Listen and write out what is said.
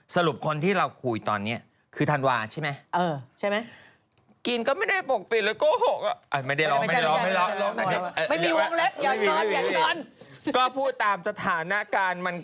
สรุปคนที่เราคุยตอนนี้คือธันวาใช่ไหม